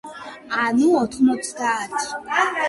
ანუ, ოთხმოცდაათი.